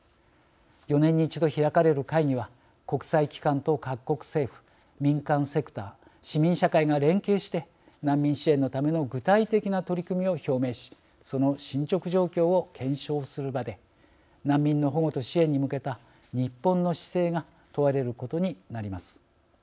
４年に１度開かれる会議は国際機関と各国政府民間セクター市民社会が連携して難民支援のための具体的な取り組みを表明しその進捗状況を検証する場で難民の保護と支援に向けた日本の姿勢が問われることになります。